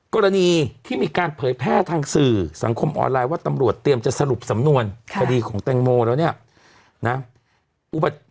กรณีที่มีการเผยแพร่ทางสื่อสังคมออนไลน์ว่าตำรวจเตรียมจะสรุปสำนวนคดีของแตงโมแล้วเนี่ยนะ